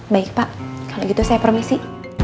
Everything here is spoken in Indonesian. baik pak kalau gitu saya permisi